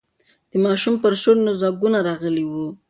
د ماشوم پر شونډو ځگونه راغلي وو.